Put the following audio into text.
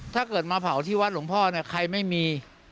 ถ้าเกิดมาเผาที่วัดลุงพ่อใครไม่มี